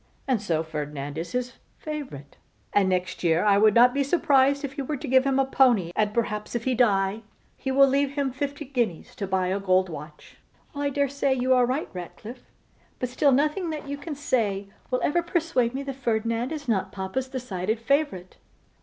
And so Ferdinand is his favourite; and next year I should not be surprised were he to give him a pony: and perhaps, if he die, he will leave him fifty guineas to buy a gold watch.' 'Well, I dare say you are right, Ratcliffe; but still nothing that you can say will ever persuade me that Ferdinand is not papa's decided favourite.